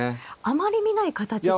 あまり見ない形で。